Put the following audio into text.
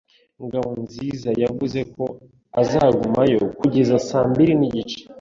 Ngabonziza yavuze ko azagumayo kugeza saa mbiri n'igice.